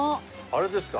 あれですか？